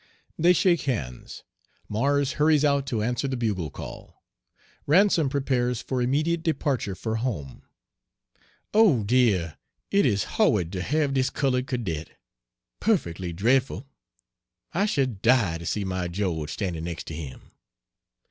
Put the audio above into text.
They shake hands, MARS hurries out to answer the bugle call. RANSOM prepares for immediate departure for home.) "O dear! it is hawid to have this cullud cadet perfectly dre'fful. I should die to see my Geawge standing next to him."